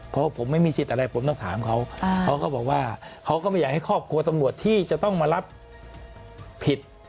เพราะผมไม่มีสิทธิ์อะไรผมต้องถามเขาเขาก็บอกว่าเขาก็ไม่อยากให้ครอบครัวตำรวจที่จะต้องมารับผิด